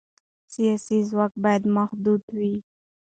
سیاسي ځواک باید محدود وي